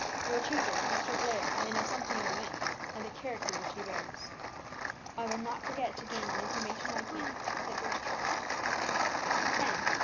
Your tutor, Mr. Blair, may know something of the man, and the character which he bears." "I will not forget to gain what information I can," said Bruce Trevor. CHAPTER XIII. WORK.